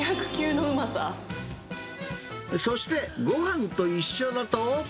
そして、ごはんと一緒だと。